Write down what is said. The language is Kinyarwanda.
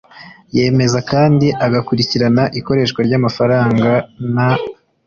Yemeza kandi agakurikirana ikoreshwa ry’amafaranga n’